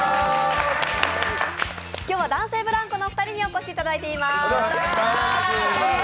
今日は男性ブランコのお二人にお越しいただいています。